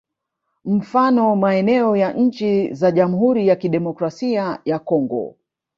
Mfano maeneo ya nchi za Jamhuri ya Kidemokrasia ya Congo